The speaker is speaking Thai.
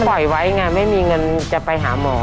ปล่อยไว้ไงไม่มีเงินจะไปหาหมอ